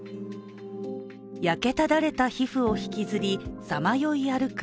焼けただれた皮膚を引きずりさまよい歩く